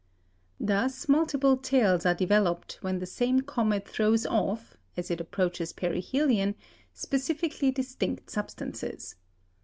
Thus multiple tails are developed when the same comet throws off, as it approaches perihelion, specifically distinct substances.